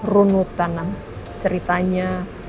runut tangan ceritanya